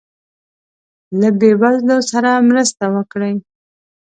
له یی وزلو سره مرسته وکړي